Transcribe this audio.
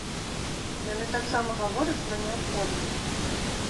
Яны таксама гавораць пра неабходнасць!